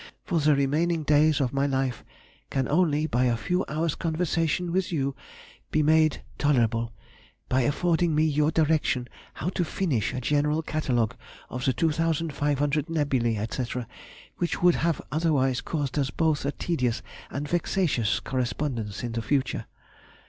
For the remaining days of my life can only by a few hours' conversation with you be made tolerable, by affording me your direction how to finish a general catalogue of the 2,500 nebulæ, &c., which would have otherwise caused us both a tedious and vexatious correspondence in the future.